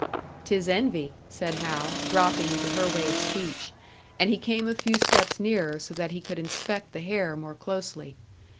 "'Tis envy," said Hal, dropping into her way of speech; and he came a few steps nearer, so that he could inspect the hair more closely.